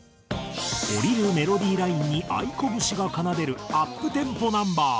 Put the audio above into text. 降りるメロディーラインにａｉｋｏ節が奏でるアップテンポナンバー。